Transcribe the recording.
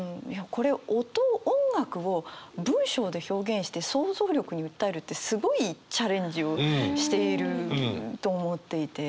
これ音音楽を文章で表現して想像力に訴えるってすごいチャレンジをしていると思っていて。